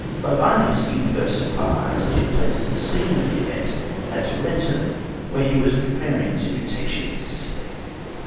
Libanius even goes so far as to place the scene of the event at Tarentum, where he was preparing to take ship for Sicily.